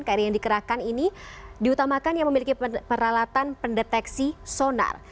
kri yang dikerahkan ini diutamakan yang memiliki peralatan pendeteksi sonar